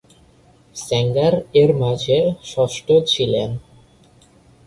Sanger এর মাঝে ষষ্ঠ ছিলেন।